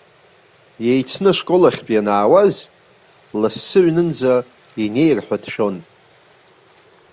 Иеицны ашколахьтә ианаауаз, лассы аҩнынӡа инеир ҳәа дшәон.